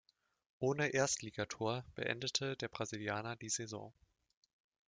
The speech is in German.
Ohne Erstligator beendete der Brasilianer die Saison.